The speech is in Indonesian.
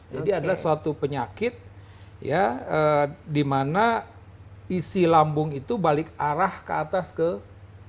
jadi adalah suatu penyakit ya di mana isi lambung itu balik arah ke atas ke atas